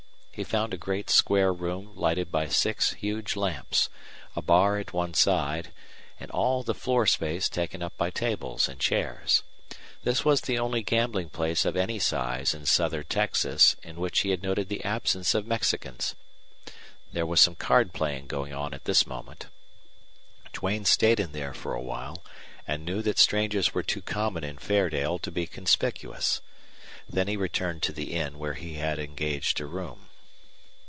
He found a great square room lighted by six huge lamps, a bar at one side, and all the floor space taken up by tables and chairs. This was the only gambling place of any size in southern Texas in which he had noted the absence of Mexicans. There was some card playing going on at this moment. Duane stayed in there for a while, and knew that strangers were too common in Fairdale to be conspicuous. Then he returned to the inn where he had engaged a room.